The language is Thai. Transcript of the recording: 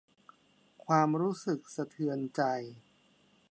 ความรู้สึกสะเทือนใจ